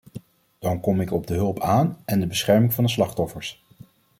Dan kom ik op de hulp aan en de bescherming van de slachtoffers.